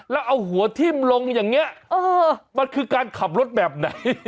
แล้วเอาหัวทิ้มลงอย่างนี้มันคือการขับรถแบบไหน